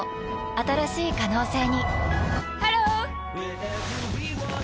新しい可能性にハロー！